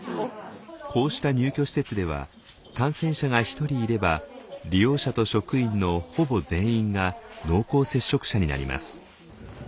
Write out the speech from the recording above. こうした入居施設では感染者が１人いれば利用者と職員のほぼ全員が濃厚接触者になります。